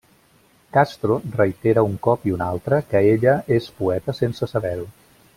Castro reitera un cop i un altre que ella és poeta sense saber-ho.